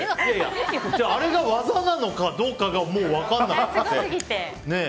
あれが技なのかどうかが分からなくて。